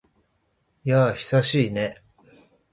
やあ、久しいね。